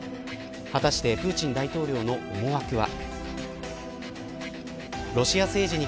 果たしてプーチン大統領の思惑は。